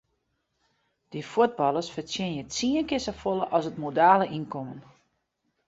Dy fuotballers fertsjinje tsien kear safolle as it modale ynkommen.